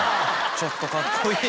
ちょっとカッコいい。